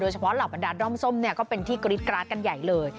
เฉพาะเหล่าบรรดาด้อมส้มเนี่ยก็เป็นที่กรี๊ดกราดกันใหญ่เลย